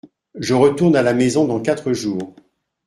Je retourne à la maison dans quatre jours.